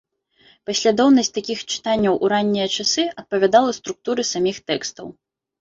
Паслядоўнасць такіх чытанняў у раннія часы адпавядала структуры саміх тэкстаў.